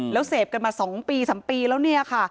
แล้วเสพกันมา๒ปี๓ปีแล้วเนี่ยค่ะ